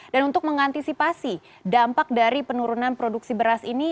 dan untuk mengantisipasi dampak dari penurunan produksi beras ini